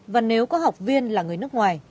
và nếu có học viên là người nước ngoài